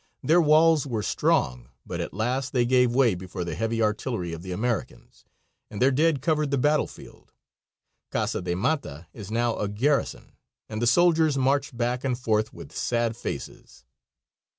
Their walls were strong, but at last they gave way before the heavy artillery of the Americans, and their dead covered the battlefield. Casa de Mata is now a garrison, and the soldiers march back and forth with sad faces.